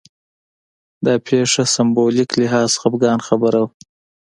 دا پېښه سېمبولیک لحاظ خپګان خبره وه